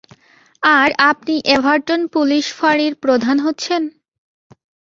আর আপনি Everton police ফাঁড়ির প্রধান হচ্ছেন?